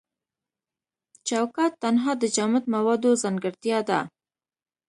چوکات تنها د جامد موادو ځانګړتیا ده.